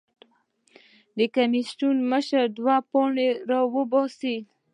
د کمېسیون مشر دوه پاڼې راباسي.